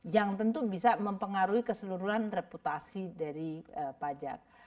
yang tentu bisa mempengaruhi keseluruhan reputasi dari pajak